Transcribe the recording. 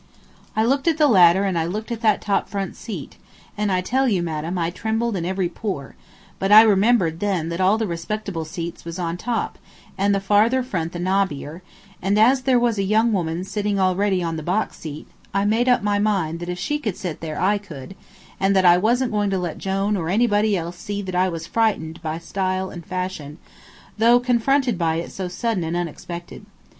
I looked at the ladder and I looked at that top front seat, and I tell you, madam, I trembled in every pore, but I remembered then that all the respectable seats was on top, and the farther front the nobbier, and as there was a young woman sitting already on the box seat, I made up my mind that if she could sit there I could, and that I wasn't going to let Jone or anybody else see that I was frightened by style and fashion, though confronted by it so sudden and unexpected.